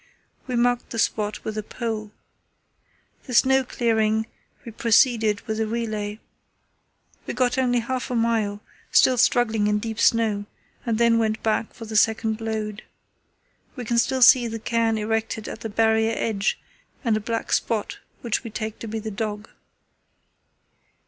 We marked the spot with a pole. The snow clearing, we proceeded with a relay. We got only half a mile, still struggling in deep snow, and then went back for the second load. We can still see the cairn erected at the Barrier edge and a black spot which we take to be the dog.